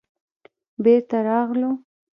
بېرته راغلو.